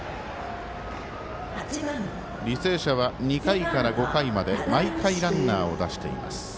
履正社は２回から５回まで毎回ランナーを出しています。